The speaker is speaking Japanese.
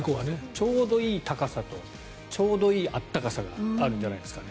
ちょうどいい高さとちょうどいい温かさがあるんじゃないですかね。